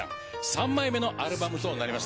３枚目のアルバムとなりました。